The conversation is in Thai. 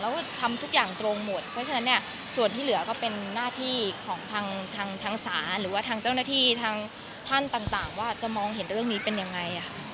แล้วก็ทำทุกอย่างตรงหมดเพราะฉะนั้นเนี่ยส่วนที่เหลือก็เป็นหน้าที่ของทางศาลหรือว่าทางเจ้าหน้าที่ทางท่านต่างว่าจะมองเห็นเรื่องนี้เป็นยังไง